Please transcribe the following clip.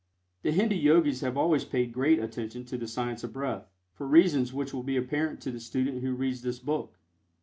The Hindu Yogis have always paid great attention to the Science of Breath, for reasons which will be apparent to the student who reads this book.